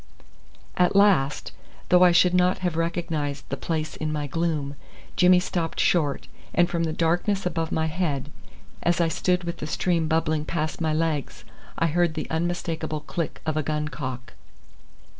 At last, though I should not have recognised the place in the gloom, Jimmy stopped short, and from the darkness above my head, as I stood with the stream bubbling past my legs, I heard the unmistakable click of a gun cock.